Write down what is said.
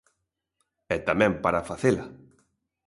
E tamén para facela.